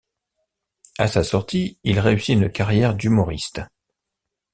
À sa sortie, il réussit une carrière d'humoriste.